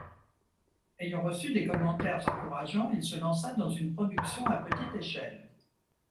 Ayant reçu des commentaires encourageants, il se lança dans une production à petite échelle.